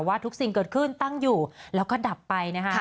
ทุกสิ่งเกิดขึ้นตั้งอยู่แล้วก็ดับไปนะคะ